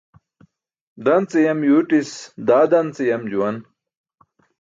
Dan ce yam yuwtis daa dan ce yam juwan.